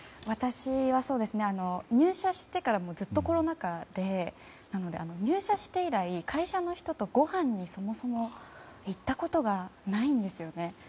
私は入社してからずっとコロナ禍でなので、入社して以来会社の人とごはんに、そもそも行ったことがないんですよね。